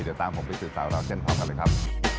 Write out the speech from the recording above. เดี๋ยวตามผมไปติดตามเราเช่นของกันเลยครับ